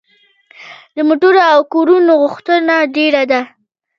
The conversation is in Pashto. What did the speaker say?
د موټرو او کورونو غوښتنه ډیره ده.